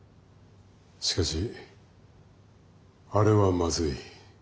しかしあれはまずい。